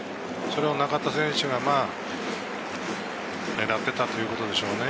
それを中田選手が狙っていったということでしょうね。